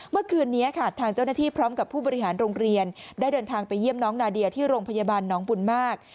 เมื่อคืนนี้ค่ะทางเจ้าหน้าที่พร้อมกับผู้บริหารโรงเรียนได้เดินทางไปเยี่ยมน้องนาเดียที่โรงพยาบาลน้องบุญมาก